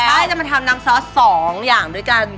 ใช่จะมาทำน้ำซอส๒อย่างด้วยกัน